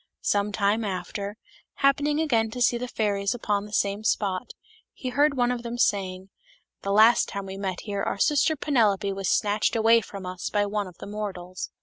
Some time after, happening again to see the fairies upon the same spot, he heard one of them saying, " The last time we met here our sister Penelope was snatched away from us by one of the mortals."